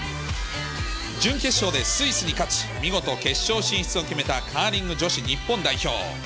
準決勝でスイスに勝ち、見事、決勝進出を決めた、カーリング女子日本代表。